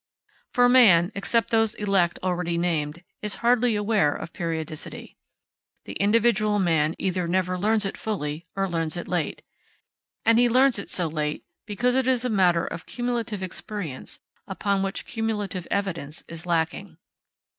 For man except those elect already named is hardly aware of periodicity. The individual man either never learns it fully, or learns it late. And he learns it so late, because it is a matter of cumulative experience upon which cumulative evidence is lacking.